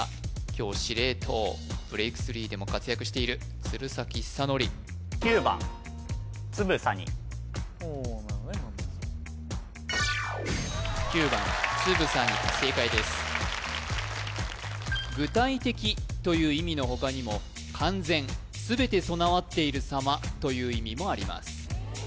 今日司令塔ブレイク３でも活躍している鶴崎修功９番つぶさに正解です具体的という意味の他にも完全全て備わっているさまという意味もあります